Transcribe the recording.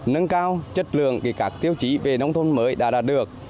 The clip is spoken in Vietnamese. nâng cao chất lượng các tiêu chí về nông thôn mới đã đạt được